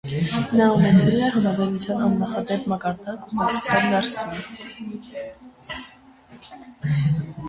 Նա ունեցել է համաձայնության աննախադեպ մակարդակ կուսակցության ներսում։